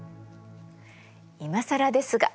いまさらですが。